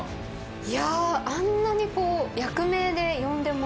いやあんなに役名で呼んでもらった。